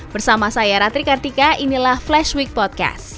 bersama saya ratri kartika inilah flash week podcast